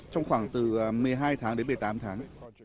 trong khoảng từ một mươi hai tháng đến một mươi tám tháng